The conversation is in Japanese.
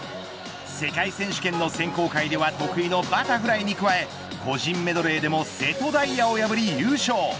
世界選手権の選考会では得意のバタフライに加え個人メドレーでも瀬戸大也を破り優勝。